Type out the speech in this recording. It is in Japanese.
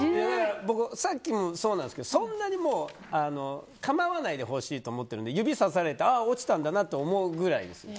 僕、さっきもそうなんですけどそんなに構わないでほしいと思ってるので指さされて、落ちたんだなと思うくらいです。